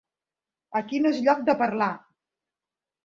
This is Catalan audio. Aquí no és lloc de parlar.